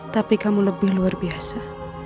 tapi kamu lebih luar biasa